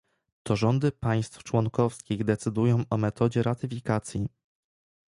To rządy państw członkowskich decydują o metodzie ratyfikacji